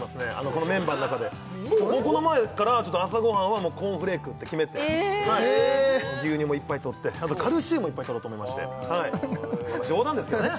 このメンバーの中でこの前から朝ごはんはもうコーンフレークって決めて牛乳もいっぱいとってあとカルシウムをいっぱいとろうと思いまして冗談ですけどね